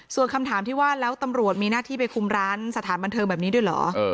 ส่วนคำถามที่ว่าแล้วตำรวจมีหน้าที่ไปคุมร้านสถานบันเทิงแบบนี้ด้วยเหรอ